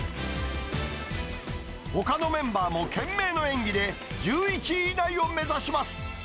ほかのメンバーも懸命の演技で、１１位以内を目指します。